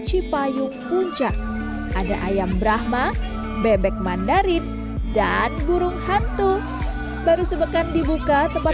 cipayu puncak ada ayam brahma bebek mandarin dan burung hantu baru sebekan dibuka tempat